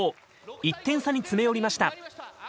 １点差に詰め寄りました。